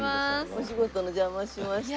お仕事の邪魔をしました。